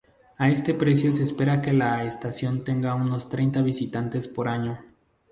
A este precio se espera que la estación tenga unos treinta visitantes por año.